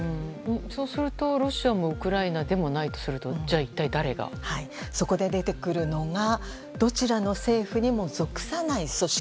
そうすると、ロシアでもウクライナでもないとするとじゃあ一体誰が？そこで出てくるのがどちらの政府にも属さない組織。